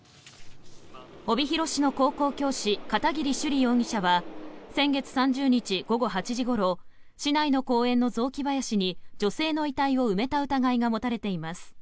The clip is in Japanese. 帯広市の高校教師片桐朱璃容疑者は先月３０日午後８時ごろ市内の公園の雑木林に女性の遺体を埋めた疑いが持たれています。